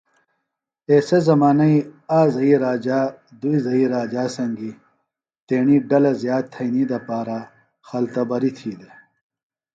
ایسےۡ زمانئی ایک زھئی راجا دُئی زھئی راجا سنگیۡ تیݨی ڈلہ زیات تھئنی دپارہ خلتبریۡ تھی دےۡ